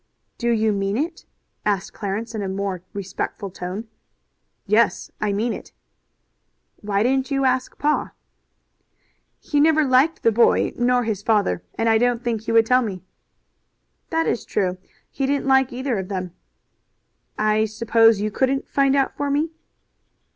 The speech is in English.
"Do you mean it?" asked Clarence in a more respectful tone. "Yes, I mean it." "Why didn't you ask pa?" "He never liked the boy nor his father, and I don't think he would tell me." "That is true. He didn't like either of them." "I suppose you couldn't find out for me?"